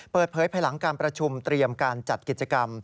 เปิดเผยภายหลังการประชุมเตรียมการจัดกิจกรรม